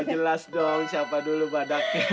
jelas dong siapa dulu badaknya